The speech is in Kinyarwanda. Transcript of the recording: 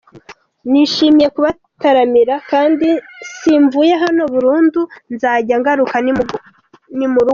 Nishimiye kubataramira kandi simvuye hano burundu nzajya ngaruka ni mu rugo.